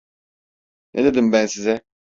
Ne dedim ben size?